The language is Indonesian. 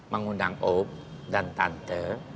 mengundang om dan tante